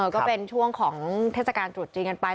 ก็เป็นช่วงของเทศกาลตรุษจีนกันไป